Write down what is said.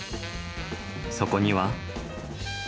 そこには。